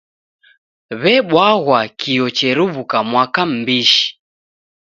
W'ebwaghwa kio cheruw'uka mwaka m'bishi.